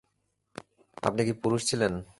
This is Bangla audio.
আপনি কি পুরুষ ছিলেন?